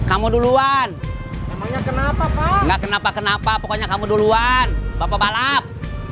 tes kamu duluan emangnya kenapa enggak kenapa kenapa pokoknya kamu duluan bapak balap